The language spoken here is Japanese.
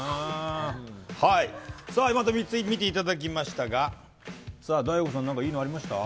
３つ見ていただきましたが、ＤＡＩＧＯさんいいのありましたか？